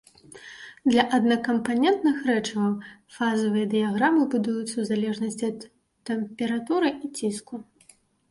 Для аднакампанентных рэчываў фазавыя дыяграмы будуюцца ў залежнасці ад тэмпературы і ціску.